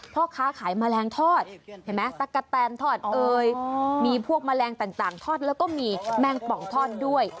พ่อค้าขายแมลงทอดเห็นไหมตะกะแตนทอดเอ่ยมีพวกแมลงต่างทอดแล้วก็มีแมงป่องทอดด้วย